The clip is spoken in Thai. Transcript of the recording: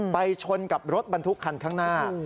ไปชนกับรถบรรทุกคันข้างหน้า